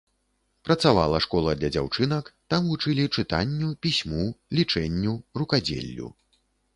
Працавала школа для дзяўчынак, там вучылі чытанню, пісьму, лічэнню, рукадзеллю.